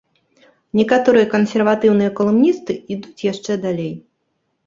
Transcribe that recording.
Некаторыя кансерватыўныя калумністы ідуць яшчэ далей.